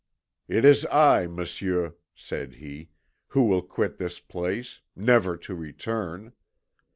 "It is I, Monsieur," said he, "who will quit this place, never to return.